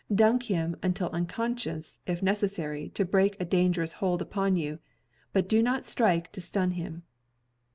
Duck him until unconscious if necessary to break a dangerous hold upon you: but do not strike to stun him.